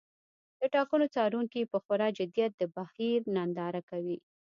د ټاکنو څارونکي په خورا جدیت د بهیر ننداره کوي.